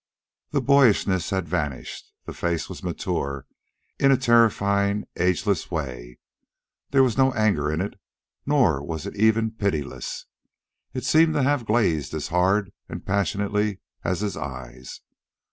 The boyishness had vanished. This face was mature in a terrifying, ageless way. There was no anger in it, nor was it even pitiless. It seemed to have glazed as hard and passionlessly as his eyes.